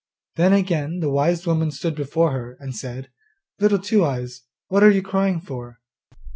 Then again the wise woman stood before her, and said, 'Little Two eyes, what are you crying for?